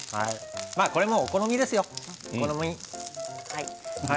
これも、お好みですよ、お好み。